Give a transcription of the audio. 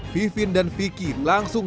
vivian dan vicky langsung